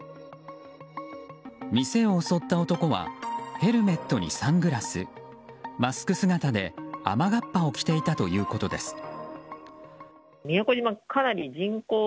店を襲った男はヘルメットにサングラスマスク姿で雨がっぱを着ていたということです。